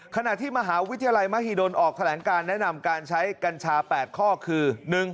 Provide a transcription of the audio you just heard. ขณะที่มหาวิทยาลัยมหิดลออกแถลงการแนะนำการใช้กัญชา๘ข้อคือ